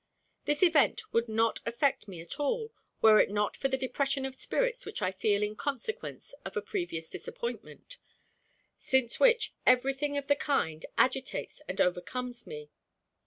This event would not affect me at all were it not for the depression of spirits which I feel in consequence of a previous disappointment; since which every thing of the kind agitates and overcomes me.